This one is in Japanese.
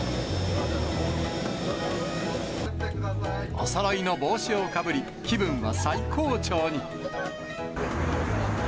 おそろいの帽子をかぶり、気分は最高潮に。